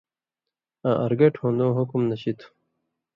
آں اَرگٹ ہُون٘دُوں حُکُم نشیۡ تھُو۔